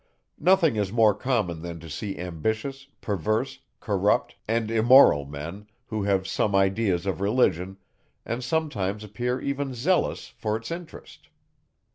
Nothing is more common, than to see ambitious, perverse, corrupt, and immoral men, who have some ideas of Religion, and sometimes appear even zealous for its interest.